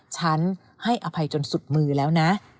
ฉันให้อภัยจนสุดมือแล้วนะ